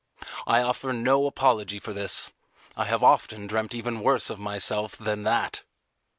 I offer no apology for this: I have often dreamt even worse of myself than that.